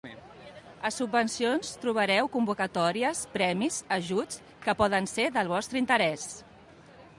A Subvencions trobareu convocatòries, premis, ajuts... que poden ser del vostre interès.